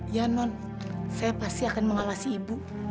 ya non saya pasti akan mengawasi ibu